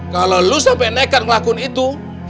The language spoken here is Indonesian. kalau lu sampe nekat ngelakuin itu